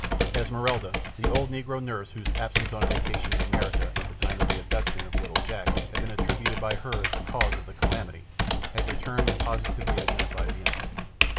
Esmeralda, the old Negro nurse whose absence on a vacation in America at the time of the abduction of little Jack had been attributed by her as the cause of the calamity, had returned and positively identified the infant.